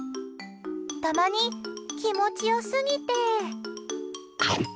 たまに、気持ち良すぎて。